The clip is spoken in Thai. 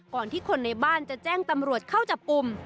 ที่คนในบ้านจะแจ้งตำรวจเข้าจับกลุ่ม